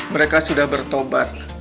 mereka sudah bertobat